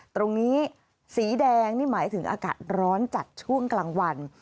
ตรงนี้สีแดงนี่หมายถึงอากาศร้อนจัดช่วงกลางวัน